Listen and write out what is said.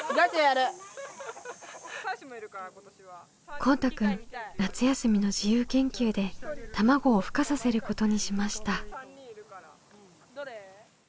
こうたくん夏休みの自由研究で卵をふ化させることにしました。